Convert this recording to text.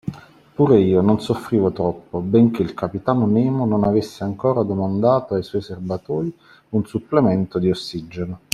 Pure io non soffrivo troppo benchè il capitano Nemo non avesse ancora domandato ai suoi serbatoi un supplemento di ossigeno.